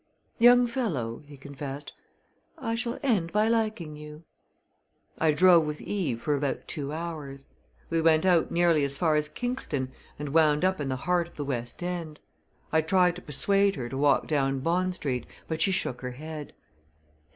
"Young fellow," he confessed, "I shall end by liking you!" I drove with Eve for about two hours. We went out nearly as far as Kingston and wound up in the heart of the West End. I tried to persuade her to walk down Bond Street, but she shook her head.